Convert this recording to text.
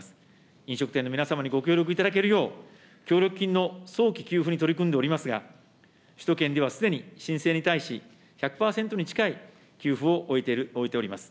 飲食店の皆様にご協力いただけるよう、協力金の早期給付に取り組んでおりますが、首都圏ではすでに、申請に対し、１００％に近い給付を終えております。